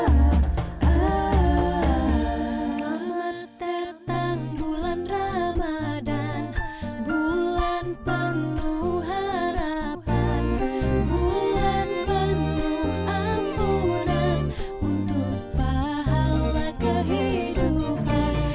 selamat datang bulan ramadan bulan penuh harapan bulan penuh ampunan untuk pahalau kehidupan